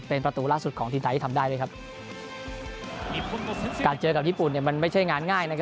เป็นประตูล่าสุดของทีมไทยที่ทำได้ด้วยครับการเจอกับญี่ปุ่นเนี่ยมันไม่ใช่งานง่ายนะครับ